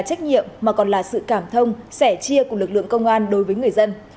trách nhiệm mà còn là sự cảm thông sẻ chia cùng lực lượng công an